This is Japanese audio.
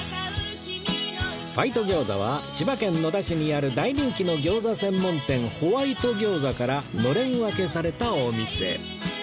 ファイト餃子は千葉県野田市にある大人気の餃子専門店ホワイト餃子からのれん分けされたお店